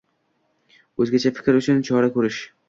o‘zgacha fikr uchun chora ko'rish